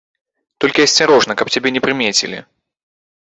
Толькі асцярожна, каб цябе не прымецілі.